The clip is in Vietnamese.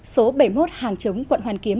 số bảy mươi một hàng chống quận hoàn kiếm